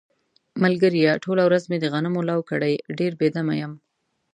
ملگریه ټوله ورځ مې د غنمو لو کړی دی، ډېر بې دمه یم.